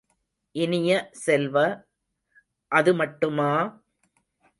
இனிய செல்வ, அது மட்டுமா!